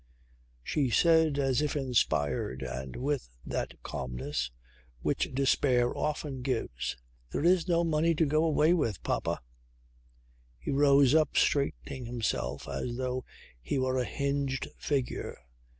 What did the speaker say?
She said as if inspired and with that calmness which despair often gives: "There is no money to go away with, papa." He rose up straightening himself as though he were a hinged figure.